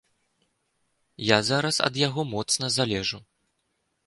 Я зараз ад яго моцна залежу.